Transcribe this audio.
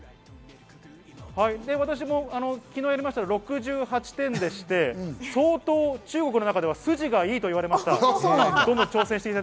私も昨日やりました、６８点でして、相当中国の中では筋がいいと言われました。